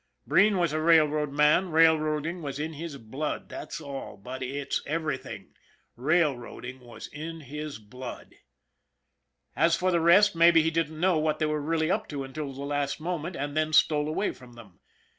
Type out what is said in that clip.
Breen was a railroad man, railroading was in his blood, that's all but it's everything railroading was in his blood. As for the rest, maybe he didn't know what they were really up to until the last moment, and then stole away from them.